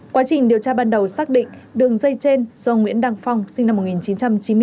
quá trình điều tra ban đầu xác định đường dây trên do nguyễn đăng phong sinh năm một nghìn chín trăm chín mươi bốn